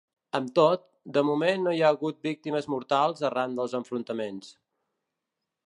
Amb tot, de moment no hi ha hagut víctimes mortals arran dels enfrontaments.